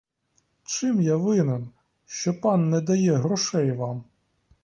Чим я винен, що пан не дає грошей вам?